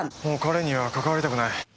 もう彼には関わりたくない。